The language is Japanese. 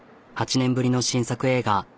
８年ぶりの新作映画。